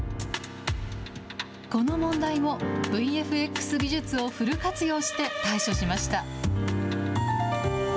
この問題もＶＦＸ技術をフル活用して対処しました。